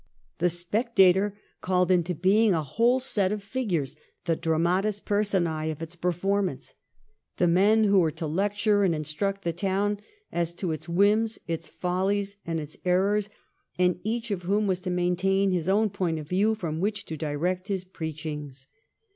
' The Spectator ' called into being a whole set of figures, the dramatis personce of its performance, the men who were to lecture and instruct the town as to its whims, its follies, and its errors, and each of whom was to maintain his own point of view from which to direct his preachings.